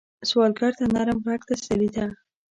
سوالګر ته نرم غږ تسلي ده